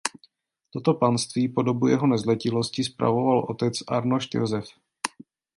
Toto panství po dobu jeho nezletilosti spravoval otec Arnošt Josef.